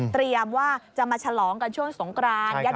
เตรียมว่าจะมาฉลองกันช่วงสงคราน